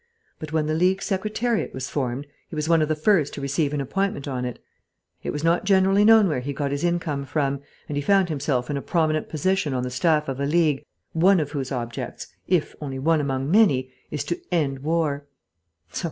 But when the League Secretariat was formed, he was one of the first to receive an appointment on it. It was not generally known where he got his income from, and he found himself in a prominent position on the staff of a League, one of whose objects, if only one among many, is to end war.